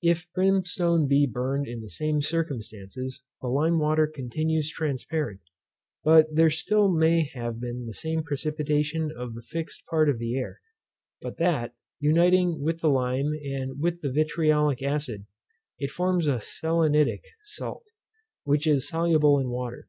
If brimstone be burned in the same circumstances, the lime water continues transparent, but still there may have been the same precipitation of the fixed part of the air; but that, uniting with the lime and the vitriolic acid, it forms a selenetic salt, which is soluble in water.